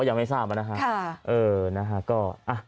ยังไม่ทราบนะครับ